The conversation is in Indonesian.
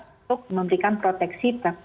untuk memberikan proteksi